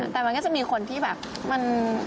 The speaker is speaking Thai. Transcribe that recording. แต่มันก็จะมีคนที่แบบมัน